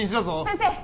先生